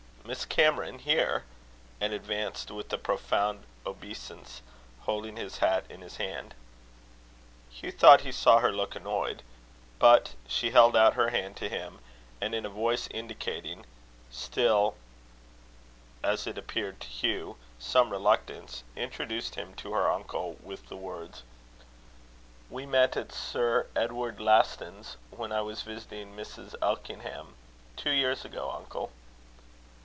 Miss Cameron here!" and advanced with a profound obeisance, holding his hat in his hand. Hugh thought he saw her look annoyed; but she held out her hand to him, and, in a voice indicating still as it appeared to Hugh some reluctance, introduced him to her uncle, with the words: "We met at Sir Edward Laston's, when I was visiting Mrs. Elkingham, two years ago, uncle."